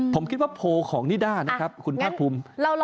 ผมคิดว่าโพลของนิด้านะครับคุณภาคภูมิ